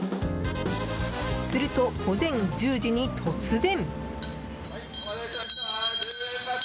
すると、午前１０時に突然。